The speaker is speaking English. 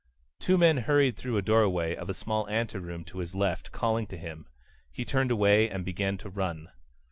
Two men hurried through a doorway of a small anteroom to his left, calling to him. He turned away and began to run.